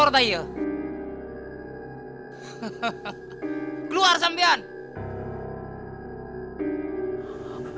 aduh mau gak sih seperti sana